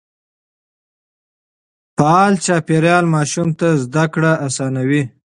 فعال چاپېريال ماشوم ته زده کړه آسانوي.